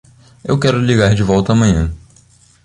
Eu quero ligar de volta amanhã.